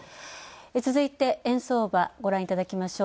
続いて、円相場、ご覧いただきましょう。